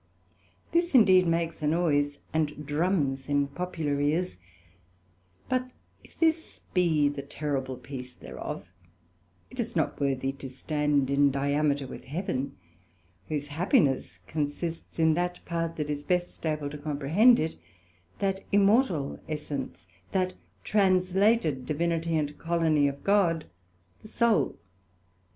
This indeed makes a noise, and drums in popular ears; but if this be the terrible piece thereof, it is not worthy to stand in diameter with Heaven, whose happiness consists in that part that is best able to comprehend it, that immortal essence, that translated divinity and colony of God, the Soul.